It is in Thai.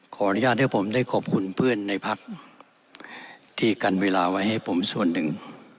ขออนุญาตให้ผมได้ขอบคุณเพื่อนในพักที่กันเวลาไว้ให้ผมส่วนหนึ่ง